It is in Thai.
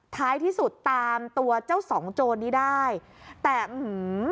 ท้ายที่สุดตามตัวเจ้าสองโจรนี้ได้แต่อื้อหือ